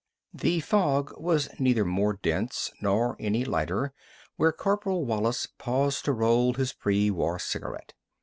The fog was neither more dense nor any lighter where Corporal Wallis paused to roll his pre war cigarette.